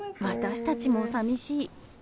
私たちもさみしい。